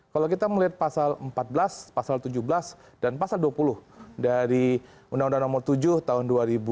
kalau kita melihat pasal empat belas pasal tujuh belas dan pasal dua puluh dari undang undang nomor tujuh tahun dua ribu tujuh belas